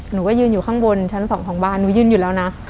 หนูก็ยืนอยู่ข้างบนชั้นสองของบ้านหนูยืนอยู่แล้วนะ